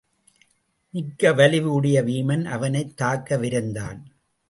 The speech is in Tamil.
மிக்க வலிவு உடைய வீமன் அவனைத் தாக்க விரைந்தான்.